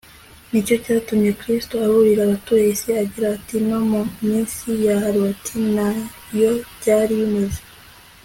ni cyo cyatumye kristo aburira abatuye isi agira ati, no mu minsi ya loti na yo byari bimeze